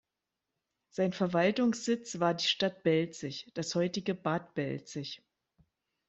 Sein Verwaltungssitz war die Stadt Belzig, das heutige Bad Belzig.